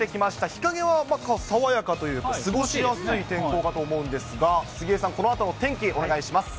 日陰は爽やかというか、過ごしやすい天候かと思うんですが、杉江さん、このあとの天気、お願いします。